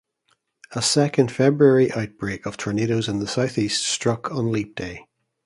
A second February outbreak of tornadoes in the Southeast struck on Leap Day.